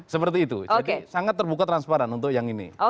seperti itu jadi sangat terbuka transparan untuk yang ini